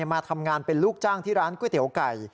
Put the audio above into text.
มาทำงานเป็นลูกจ้างที่ร้านก๋วยเตี๋ยวไก่